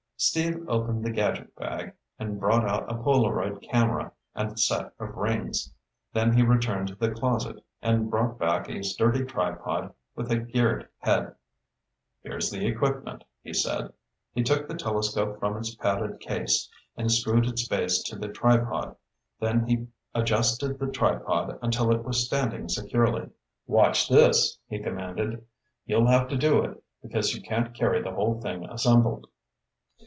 Steve opened the gadget bag and brought out a Polaroid camera and set of rings. Then he returned to the closet and brought back a sturdy tripod with a geared head. "Here's the equipment," he said. He took the telescope from its padded case, and screwed its base to the tripod, then he adjusted the tripod until it was standing securely. "Watch this," he commanded. "You'll have to do it, because you can't carry the whole thing assembled."